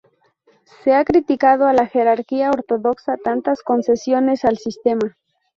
Se ha criticado a la jerarquía ortodoxa tantas concesiones al sistema.